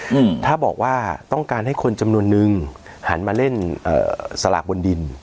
อืมถ้าบอกว่าต้องการให้คนจำนวนนึงหันมาเล่นเอ่อสลากบนดิน